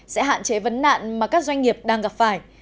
sẽ hạn chế vấn nạn mà các doanh nghiệp đang gặp phải